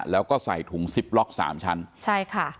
แล้วก็ใส่ถุงซิปล็อกสามชั้นใช่ค่ะ